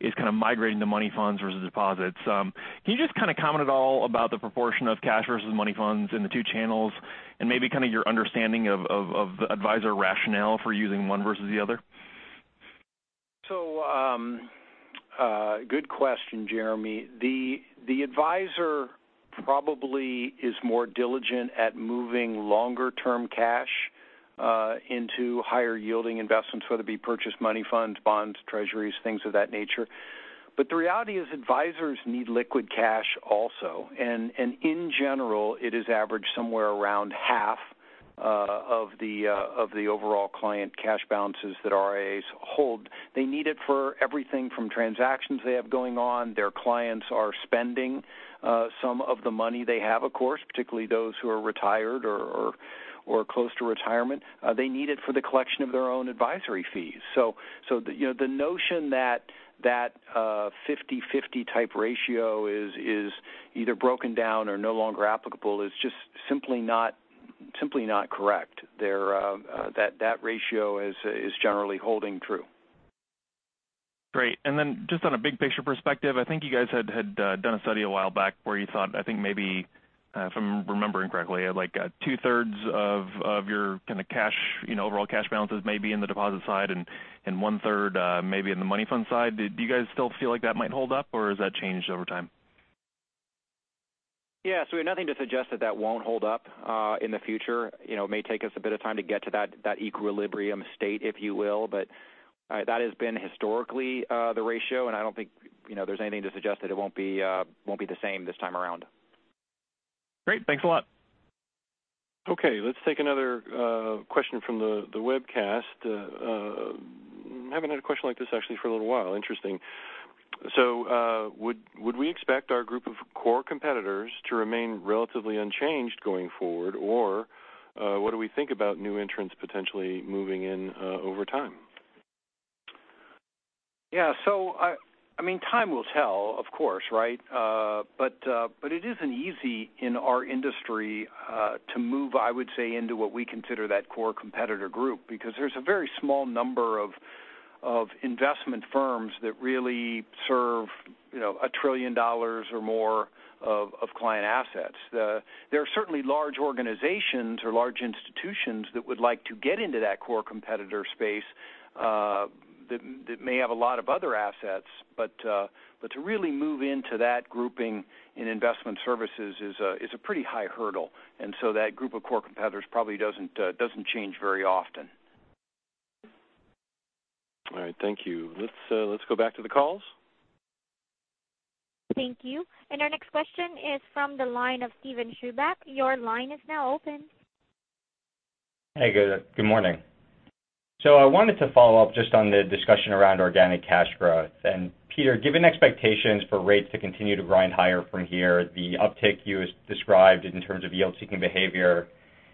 is kind of migrating to money funds versus deposits. Can you just kind of comment at all about the proportion of cash versus money funds in the two channels and maybe kind of your understanding of the advisor rationale for using one versus the other? Good question, Jeremy. The advisor probably is more diligent at moving longer-term cash into higher-yielding investments, whether it be purchased money funds, bonds, treasuries, things of that nature. The reality is, advisors need liquid cash also. In general, it is averaged somewhere around half of the overall client cash balances that RIAs hold. They need it for everything from transactions they have going on. Their clients are spending some of the money they have, of course, particularly those who are retired or close to retirement. They need it for the collection of their own advisory fees. The notion that 50/50 type ratio is either broken down or no longer applicable is just simply not correct. That ratio is generally holding true. Great. Just on a big-picture perspective, I think you guys had done a study a while back where you thought, I think maybe, if I'm remembering correctly, two-thirds of your kind of overall cash balances may be in the deposit side and one-third may be in the money fund side. Do you guys still feel like that might hold up, or has that changed over time? Yeah. We have nothing to suggest that that won't hold up in the future. It may take us a bit of time to get to that equilibrium state, if you will. That has been historically the ratio, and I don't think there's anything to suggest that it won't be the same this time around. Great. Thanks a lot. Okay, let's take another question from the webcast. Haven't had a question like this actually for a little while. Interesting. Would we expect our group of core competitors to remain relatively unchanged going forward, or what do we think about new entrants potentially moving in over time? Yeah. Time will tell, of course, right? But it isn't easy in our industry to move, I would say, into what we consider that core competitor group because there's a very small number of investment firms that really serve $1 trillion or more of client assets. There are certainly large organizations or large institutions that would like to get into that core competitor space that may have a lot of other assets. But to really move into that grouping in Investor Services is a pretty high hurdle. That group of core competitors probably doesn't change very often. All right. Thank you. Let's go back to the calls. Thank you. Our next question is from the line of Steven Chubak. Your line is now open. Hey, guys. Good morning. I wanted to follow up just on the discussion around organic cash growth. Peter, given expectations for rates to continue to grind higher from here, the uptick you described in terms of yield-seeking behavior,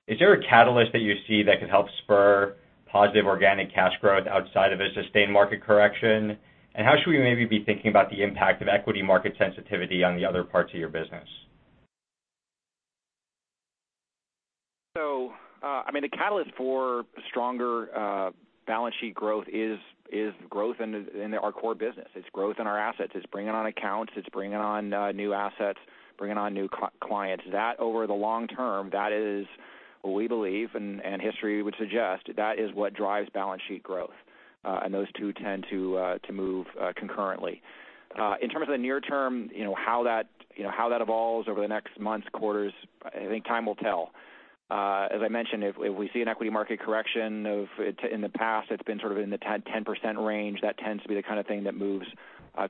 is there a catalyst that you see that could help spur positive organic cash growth outside of a sustained market correction? How should we maybe be thinking about the impact of equity market sensitivity on the other parts of your business? The catalyst for stronger balance sheet growth is growth in our core business. It's growth in our assets. It's bringing on accounts. It's bringing on new assets, bringing on new clients. That over the long term, that is what we believe, and history would suggest, that is what drives balance sheet growth. Those two tend to move concurrently. In terms of the near term, how that evolves over the next months, quarters, I think time will tell. As I mentioned, if we see an equity market correction, in the past it's been sort of in the 10% range. That tends to be the kind of thing that moves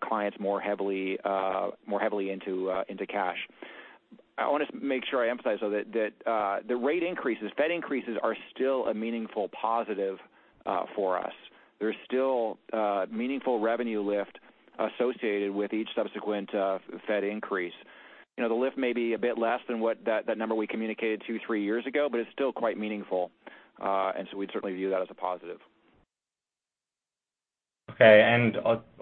clients more heavily into cash. I want to make sure I emphasize, though, that the rate increases, Fed increases are still a meaningful positive for us. There's still meaningful revenue lift associated with each subsequent Fed increase. The lift may be a bit less than that number we communicated two, three years ago, but it's still quite meaningful. We'd certainly view that as a positive. Okay.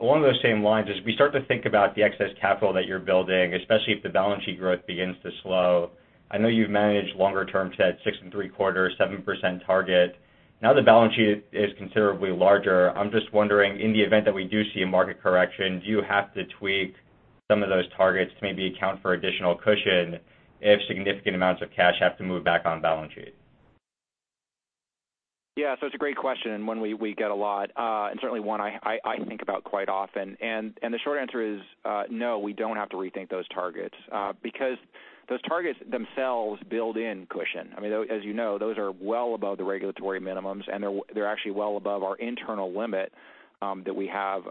Along those same lines, as we start to think about the excess capital that you're building, especially if the balance sheet growth begins to slow, I know you've managed longer term to that 6.75%, 7% target. Now the balance sheet is considerably larger. I'm just wondering, in the event that we do see a market correction, do you have to tweak some of those targets to maybe account for additional cushion if significant amounts of cash have to move back on balance sheet? It's a great question and one we get a lot, and certainly one I think about quite often. The short answer is no, we don't have to rethink those targets because those targets themselves build in cushion. As you know, those are well above the regulatory minimums, and they're actually well above our internal limit that we have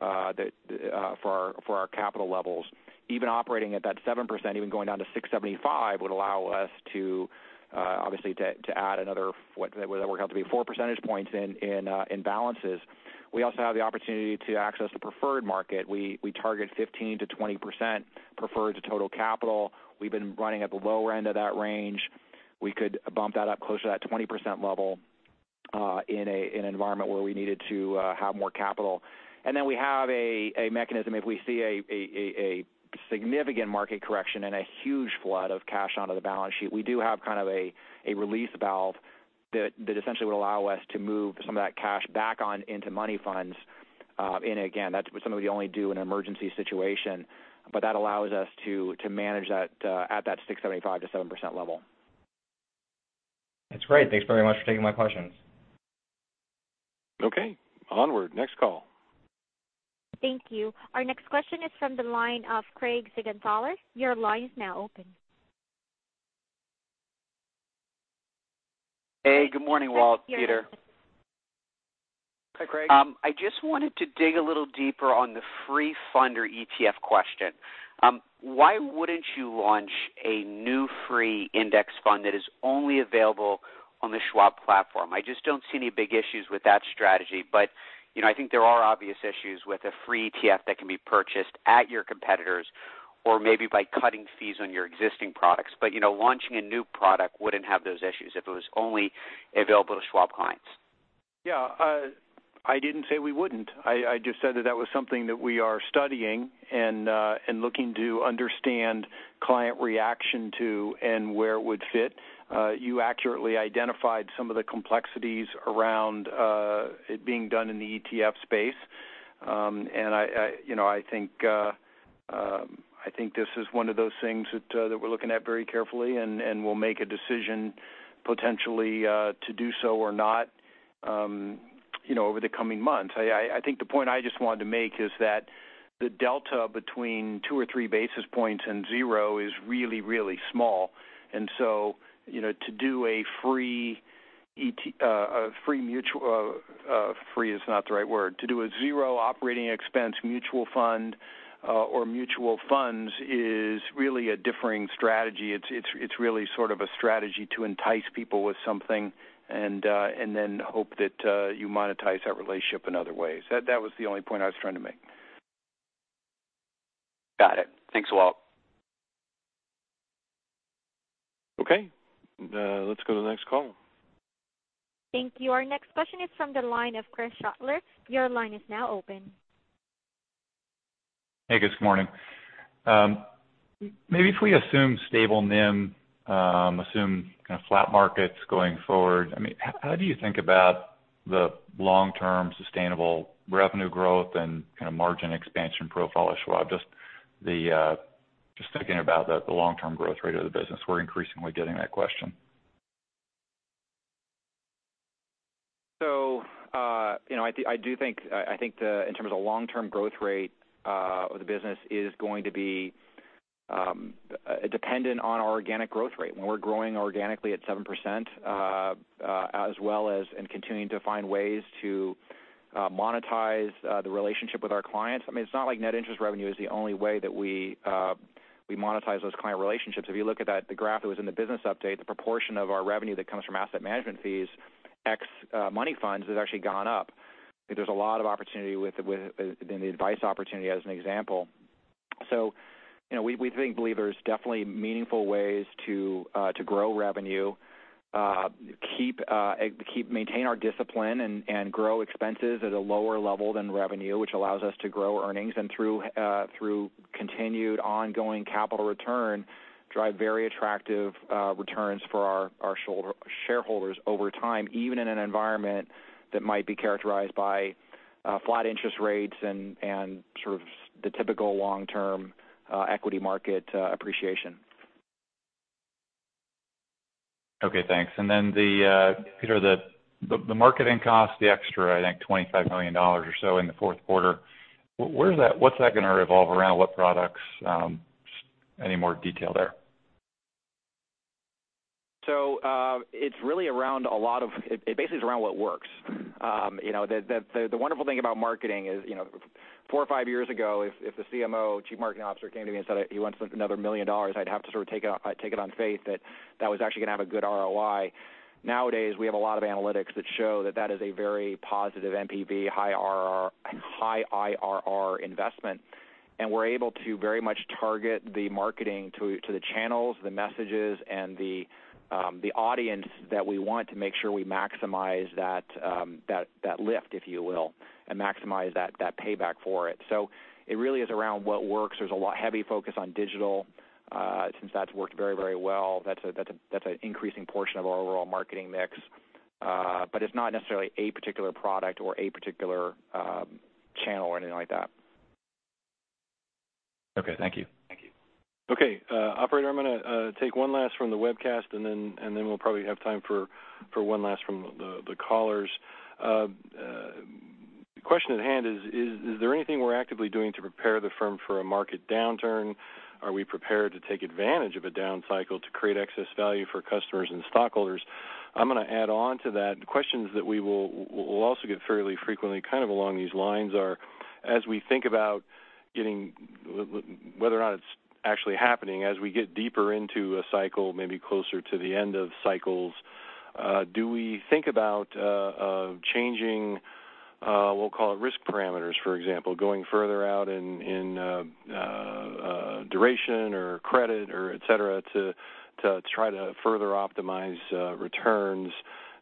for our capital levels. Even operating at that 7%, even going down to 6.75% would allow us to obviously to add another, what would that work out to be, four percentage points in balances. We also have the opportunity to access the preferred market. We target 15%-20% preferred to total capital. We've been running at the lower end of that range. We could bump that up closer to that 20% level in an environment where we needed to have more capital. We have a mechanism if we see a significant market correction and a huge flood of cash onto the balance sheet. We do have kind of a release valve that essentially would allow us to move some of that cash back on into money funds. Again, that's something we only do in an emergency situation. That allows us to manage that at that 6.75%-7% level. That's great. Thanks very much for taking my questions. Onward. Next call. Thank you. Our next question is from the line of Craig Siegenthaler. Your line is now open. Hey, good morning, Walt, Peter. Hi, Craig. I just wanted to dig a little deeper on the free fund or ETF question. Why wouldn't you launch a new free index fund that is only available on the Schwab platform? I just don't see any big issues with that strategy. I think there are obvious issues with a free ETF that can be purchased at your competitors or maybe by cutting fees on your existing products. Launching a new product wouldn't have those issues if it was only available to Schwab clients. Yeah. I didn't say we wouldn't. I just said that that was something that we are studying and looking to understand client reaction to and where it would fit. You accurately identified some of the complexities around it being done in the ETF space. I think this is one of those things that we're looking at very carefully, and we'll make a decision potentially to do so or not over the coming months. I think the point I just wanted to make is that the delta between two or three basis points and zero is really, really small. To do a free mutual, free is not the right word. To do a zero operating expense mutual fund or mutual funds is really a differing strategy. It's really sort of a strategy to entice people with something and then hope that you monetize that relationship in other ways. That was the only point I was trying to make. Got it. Thanks, Walt. Okay. Let's go to the next call. Thank you. Our next question is from the line of Chris Shutler. Your line is now open. Hey, good morning. Maybe if we assume stable NIM, assume kind of flat markets going forward, how do you think about the long-term sustainable revenue growth and kind of margin expansion profile at Schwab? Just thinking about the long-term growth rate of the business. We're increasingly getting that question. I think in terms of long-term growth rate of the business is going to be dependent on our organic growth rate. When we're growing organically at 7%, as well as continuing to find ways to monetize the relationship with our clients. It's not like net interest revenue is the only way that we monetize those client relationships. If you look at the graph that was in the business update, the proportion of our revenue that comes from asset management fees, ex money funds, has actually gone up. There's a lot of opportunity within the advice opportunity as an example. We believe there's definitely meaningful ways to grow revenue, maintain our discipline, and grow expenses at a lower level than revenue, which allows us to grow earnings. Through continued ongoing capital return drive very attractive returns for our shareholders over time, even in an environment that might be characterized by flat interest rates and the typical long-term equity market appreciation. Okay, thanks. Peter, the marketing cost, the extra, I think $25 million or so in the fourth quarter, what's that going to revolve around? What products? Any more detail there? It basically is around what works. The wonderful thing about marketing is, four or five years ago, if the CMO, Chief Marketing Officer, came to me and said he wants another $1 million, I'd have to sort of take it on faith that that was actually going to have a good ROI. Nowadays, we have a lot of analytics that show that that is a very positive NPV, high IRR investment. We're able to very much target the marketing to the channels, the messages, and the audience that we want to make sure we maximize that lift, if you will, and maximize that payback for it. It really is around what works. There's a heavy focus on digital, since that's worked very well. That's an increasing portion of our overall marketing mix. It's not necessarily a particular product or a particular channel or anything like that. Okay. Thank you. Okay. Operator, I'm going to take one last from the webcast, and then we'll probably have time for one last from the callers. Question at hand is there anything we're actively doing to prepare the firm for a market downturn? Are we prepared to take advantage of a down cycle to create excess value for customers and stockholders? I'm going to add on to that. Questions that we will also get fairly frequently kind of along these lines are, as we think about whether or not it's actually happening, as we get deeper into a cycle, maybe closer to the end of cycles, do we think about changing, we'll call it risk parameters, for example, going further out in duration or credit or et cetera to try to further optimize returns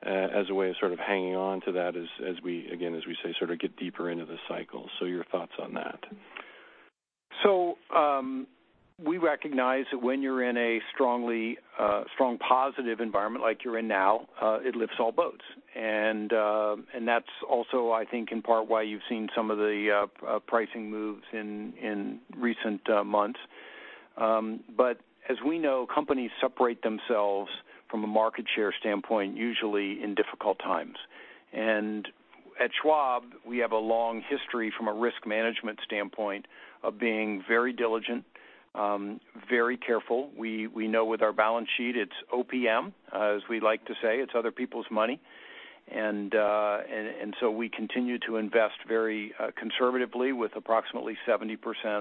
as a way of sort of hanging on to that as we, again, as we say, sort of get deeper into the cycle. Your thoughts on that. We recognize that when you're in a strong positive environment like you're in now, it lifts all boats. That's also, I think, in part why you've seen some of the pricing moves in recent months. As we know, companies separate themselves from a market share standpoint usually in difficult times. At Schwab, we have a long history from a risk management standpoint of being very diligent, very careful. We know with our balance sheet, it's OPM, as we like to say. It's other people's money. We continue to invest very conservatively with approximately 70%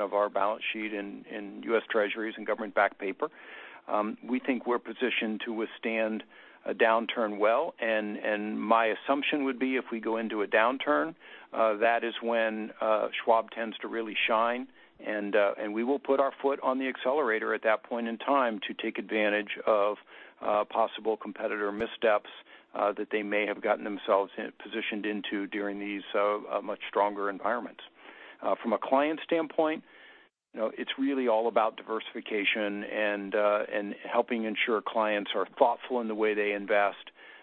of our balance sheet in U.S. Treasuries and government-backed paper. We think we're positioned to withstand a downturn well, my assumption would be if we go into a downturn, that is when Schwab tends to really shine, we will put our foot on the accelerator at that point in time to take advantage of possible competitor missteps that they may have gotten themselves positioned into during these much stronger environments. From a client standpoint, it's really all about diversification and helping ensure clients are thoughtful in the way they invest,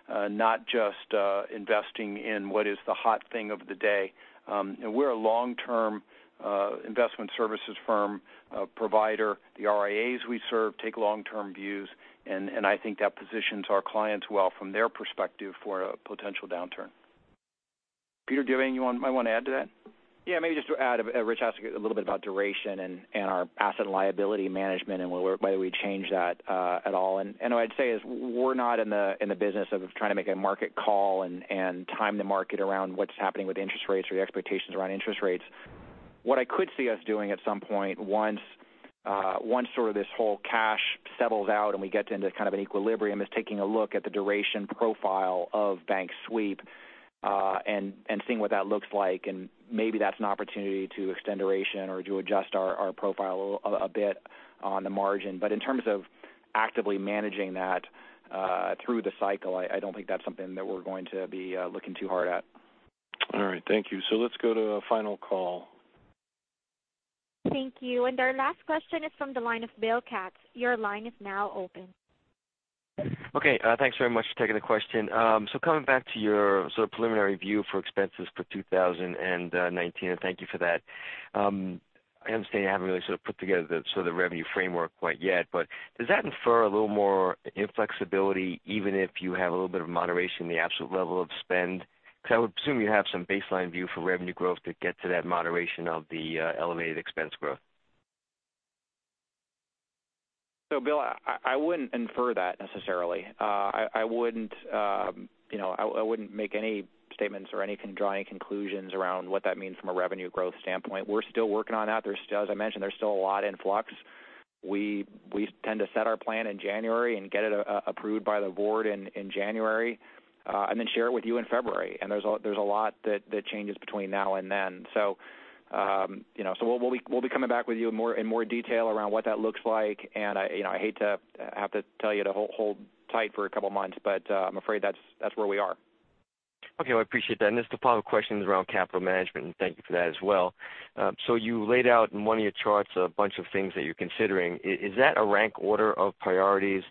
not just investing in what is the hot thing of the day. We're a long-term investment services firm provider. The RIAs we serve take long-term views, I think that positions our clients well from their perspective for a potential downturn. Peter Crawford, you might want to add to that? Yeah, maybe just to add, Rich asked a little bit about duration and our asset and liability management and whether we change that at all. What I'd say is we're not in the business of trying to make a market call and time the market around what's happening with interest rates or the expectations around interest rates. What I could see us doing at some point, once sort of this whole cash settles out and we get into kind of an equilibrium, is taking a look at the duration profile of bank sweep and seeing what that looks like. Maybe that's an opportunity to extend duration or to adjust our profile a bit on the margin. In terms of actively managing that through the cycle, I don't think that's something that we're going to be looking too hard at. All right. Thank you. Let's go to a final call. Thank you. Our last question is from the line of William Katz. Your line is now open. Okay. Thanks very much for taking the question. Coming back to your sort of preliminary view for expenses for 2019, thank you for that. I understand you haven't really sort of put together the sort of revenue framework quite yet, but does that infer a little more inflexibility even if you have a little bit of moderation in the absolute level of spend? Because I would assume you have some baseline view for revenue growth to get to that moderation of the elevated expense growth. Bill, I wouldn't infer that necessarily. I wouldn't make any statements or draw any conclusions around what that means from a revenue growth standpoint. We're still working on that. As I mentioned, there's still a lot in flux. We tend to set our plan in January and get it approved by the board in January, then share it with you in February. There's a lot that changes between now and then. We'll be coming back with you in more detail around what that looks like. I hate to have to tell you to hold tight for a couple of months, but I'm afraid that's where we are. Okay. Well, I appreciate that. This follow-up question is around capital management, and thank you for that as well. You laid out in one of your charts a bunch of things that you're considering. Is that a rank order of priorities?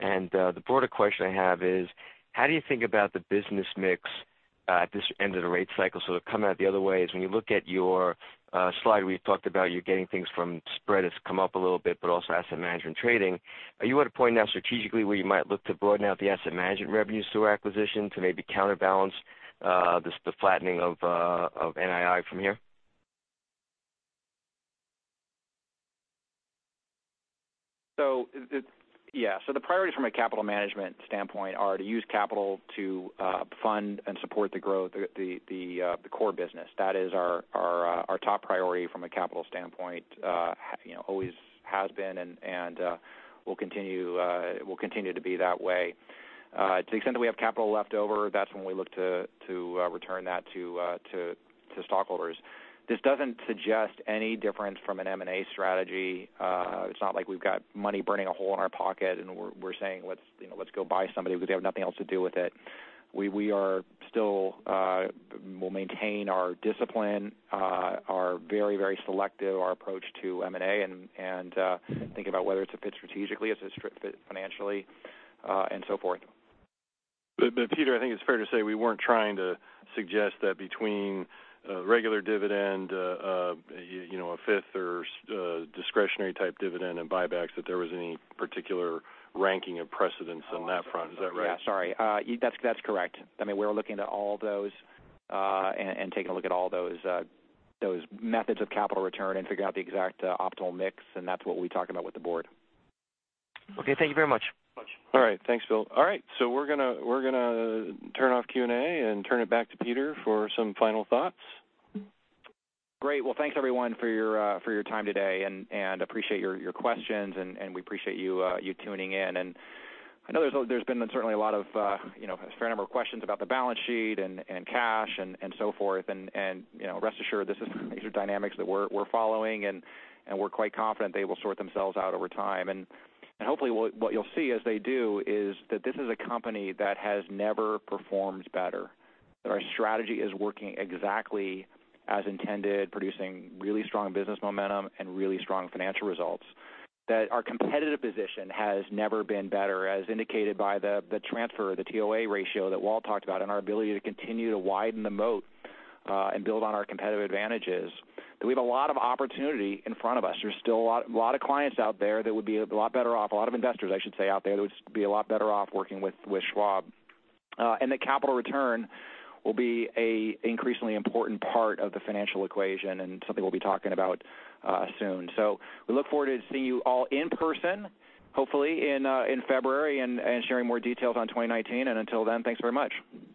The broader question I have is, how do you think about the business mix at this end of the rate cycle? To come at it the other way is when you look at your slide where you talked about you're getting things from spread has come up a little bit, but also asset management trading. Are you at a point now strategically where you might look to broaden out the asset management revenues through acquisition to maybe counterbalance the flattening of NII from here? The priorities from a capital management standpoint are to use capital to fund and support the growth of the core business. That is our top priority from a capital standpoint. Always has been and will continue to be that way. To the extent that we have capital left over, that's when we look to return that to stockholders. This doesn't suggest any difference from an M&A strategy. It's not like we've got money burning a hole in our pocket and we're saying, "Let's go buy somebody because we have nothing else to do with it." We still will maintain our discipline, are very selective, our approach to M&A and thinking about whether it's a fit strategically, it's a fit financially and so forth. Peter, I think it's fair to say we weren't trying to suggest that between a regular dividend, a fifth or discretionary type dividend and buybacks, that there was any particular ranking of precedence on that front. Is that right? Yeah, sorry. That's correct. We're looking to all those, and taking a look at all those methods of capital return and figuring out the exact optimal mix, and that's what we talk about with the board. Okay. Thank you very much. All right. Thanks, Bill. All right, we're going to turn off Q&A and turn it back to Peter for some final thoughts. Great. Well, thanks everyone for your time today and appreciate your questions. We appreciate you tuning in. I know there's been certainly a fair number of questions about the balance sheet and cash and so forth and rest assured these are dynamics that we're following and we're quite confident they will sort themselves out over time. Hopefully what you'll see as they do is that this is a company that has never performed better. Our strategy is working exactly as intended, producing really strong business momentum and really strong financial results. Our competitive position has never been better, as indicated by the transfer, the TOA ratio that Walt talked about, and our ability to continue to widen the moat, and build on our competitive advantages. We have a lot of opportunity in front of us. There's still a lot of clients out there that would be a lot better off, a lot of investors, I should say, out there that would be a lot better off working with Schwab. The capital return will be an increasingly important part of the financial equation and something we'll be talking about soon. We look forward to seeing you all in person, hopefully in February and sharing more details on 2019. Until then, thanks very much.